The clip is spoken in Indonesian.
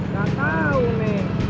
gak tau nek